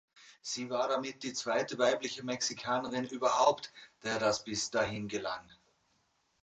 Sie war damit die zweite weibliche Mexikanerin überhaupt, der das bis dahin gelang.